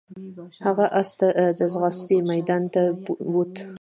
هغه اس ته د ځغاستې میدان ته بوت.